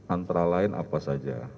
antara lain apa saja